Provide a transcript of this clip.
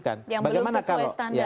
yang belum sesuai standar